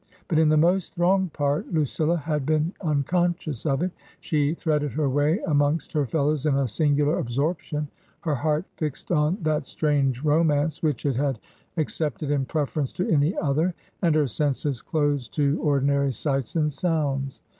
But in the most thronged part Lucille had been unconscious of it ; she threaded her way amongst her fellows in a singular absorption, her heart fi^^d on that strange romance which it had ac cepted''^ preference to any other, and her senses closed to ordii^/ sights and sounds.